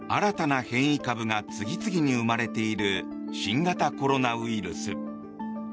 新たな変異株が次々に生まれている新型コロナウイルス。